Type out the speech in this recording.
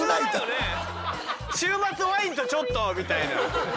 週末ワインとちょっとみたいな。